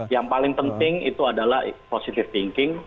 yang paling penting itu adalah positive thinking